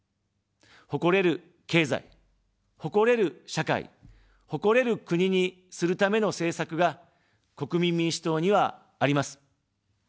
誇れる経済、誇れる社会、誇れる国にするための政策が、国民民主党にはあります。